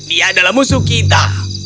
dia adalah musuh kita